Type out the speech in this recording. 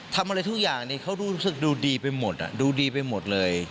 ทำอะไรทุกอย่างเขารู้สึกดูดีไปหมดดูดีไปหมดเลย